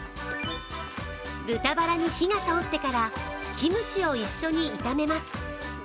豚バラに火が通ってからキムチを一緒に炒めます。